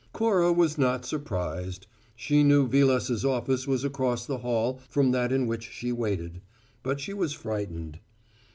Cora was not surprised she knew Vilas's office was across the hall from that in which she waited but she was frightened.